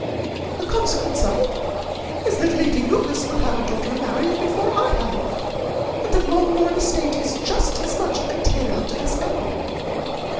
The consequence of it is, that Lady Lucas will have a daughter married before I have, and that Longbourn estate is just as much entailed as ever.